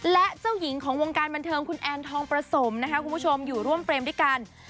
และเจ้าหญิงของวงการบันเทิงคุณแอนทองประสมนะคะคุณผู้ชมอยู่ร่วมเฟรมด้วยกัน